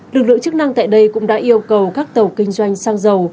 lực lượng chức năng tại đây cũng đã yêu cầu các tàu kinh doanh xăng dầu